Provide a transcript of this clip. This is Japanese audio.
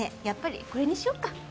やっぱりこれにしよっか。